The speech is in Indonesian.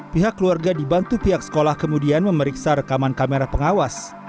pihak keluarga dibantu pihak sekolah kemudian memeriksa rekaman kamera pengawas